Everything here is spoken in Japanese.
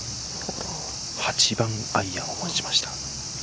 ８番アイアンを持ちました。